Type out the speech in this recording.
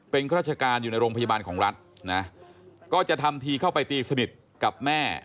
เป็นข้าราชการอยู่ในโรงพยาบาลของรัฐนะก็จะทำทีเข้าไปตีสนิทกับแม่